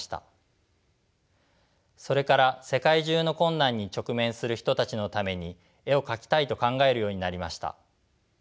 それから世界中の困難に直面する人たちのために絵を描きたいと考えるようになりました。